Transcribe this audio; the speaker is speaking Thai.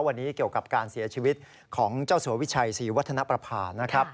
วันนี้เกี่ยวกับการเสียชีวิตของเจ้าสัววิชัยศรีวัฒนประพานะครับ